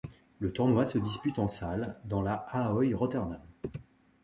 Le tournoi se dispute en salle, dans la Ahoy Rotterdam.